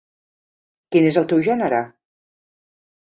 Quin és el teu gènere?